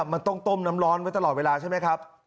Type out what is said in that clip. มันต้องต้มน้ำร้อนไว้ตลอดเวลาใช่ไหมครับ